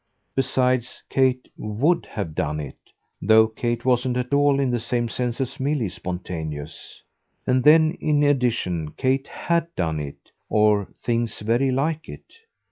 Besides, Kate WOULD have done it, though Kate wasn't at all, in the same sense as Milly, spontaneous. And then in addition Kate HAD done it or things very like it.